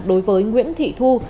đối với nguyễn thị thu